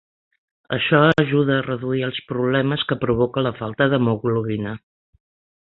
Això ajuda a reduir els problemes que provoca la falta d'hemoglobina.